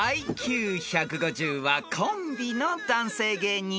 ［ＩＱ１５０はコンビの男性芸人］